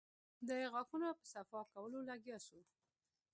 د غاښونو په صفا کولو لگيا سو.